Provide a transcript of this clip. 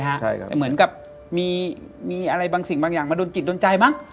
แต่เหมือนกับมีอะไรบางสิ่งบางอย่างมาโดนจิตโดนใจมั้ง